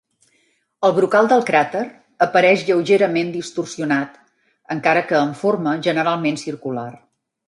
El brocal del cràter apareix lleugerament distorsionat, encara que amb forma generalment circular.